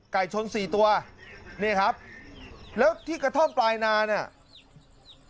ชนสี่ตัวนี่ครับแล้วที่กระท่อมปลายนาเนี่ย